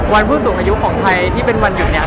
ผู้สูงอายุของไทยที่เป็นวันหยุดเนี่ย